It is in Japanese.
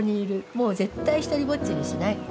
もう絶対独りぼっちにしない。